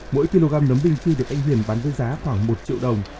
mỗi kg nấm ninh chi được anh hiền bán với giá khoảng một triệu đồng